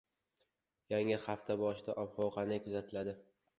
Yangi hafta boshida qanday ob-havo kuzatiladi?